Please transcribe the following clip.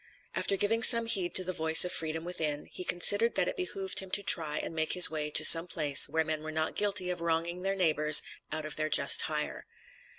After giving some heed to the voice of freedom within, he considered that it behooved him to try and make his way to some place where men were not guilty of wronging their neighbors out of their just hire.